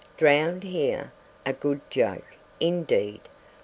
Drowned HERE! A good joke, indeed!